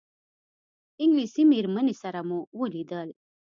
انګلیسي مېرمنې سره مو ولیدل.